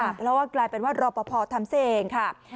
เพราะว่ากลายเป็นว่ารอปภทำซะเองค่ะ